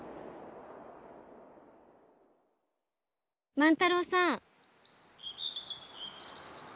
万太郎さん。